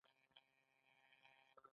په دې توګه دیکتاتوري بدلیدلی شي.